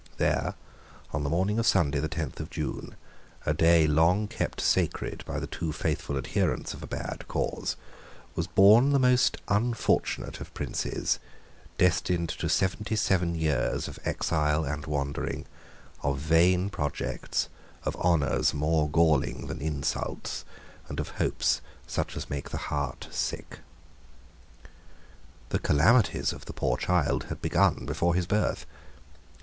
There, on the morning of Sunday, the tenth of June, a day long kept sacred by the too faithful adherents of a bad cause, was born the most unfortunate of princes, destined to seventy seven years of exile and wandering, of vain projects, of honours more galling than insults, and of hopes such as make the heart sick. The calamities of the poor child had begun before his birth.